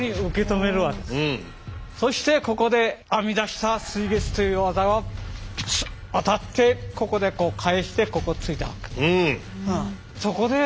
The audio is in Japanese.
そしてここで編み出した水月という技は当たってここで返してここを突いたわけです。